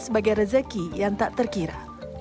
sebagai rezeki yang tak terkira